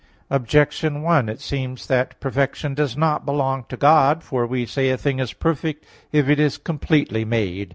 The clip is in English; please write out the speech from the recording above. Objection 1: It seems that perfection does not belong to God. For we say a thing is perfect if it is completely made.